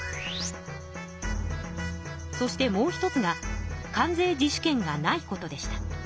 そしてもう一つが関税自主権がないことでした。